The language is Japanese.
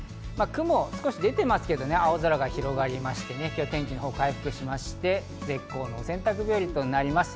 雲が少し出てますけど、青空が広がりまして、天気の方は回復しまして、絶好の洗濯日和となります。